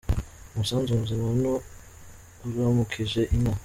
Umusanzu muzima ni uramukije inka.